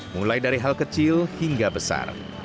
mulai dari hal kecil hingga besar